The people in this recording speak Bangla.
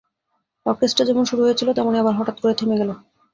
অর্কেস্ট্রা যেমন শুরু হয়েছিল, তেমনি আবার হঠাৎ করে থেমে গেল।